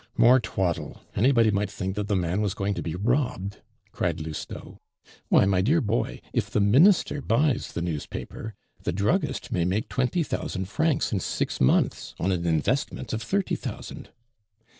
"More twaddle! Anybody might think that the man was going to be robbed!" cried Lousteau. "Why, my dear boy, if the minister buys the newspaper, the druggist may make twenty thousand francs in six months on an investment of thirty thousand.